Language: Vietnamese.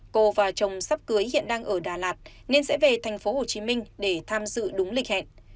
cô và chồng sắp cưới hiện đang ở đà lạt nên sẽ về tp hcm để tham dự đúng lịch hẹn